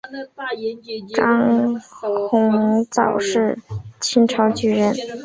张鸿藻是清朝举人。